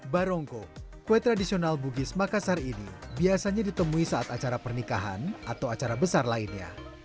barongko kue tradisional bugis makassar ini biasanya ditemui saat acara pernikahan atau acara besar lainnya